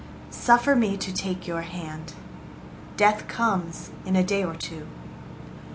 Suffer me to take your hand. Death comes in a day or two.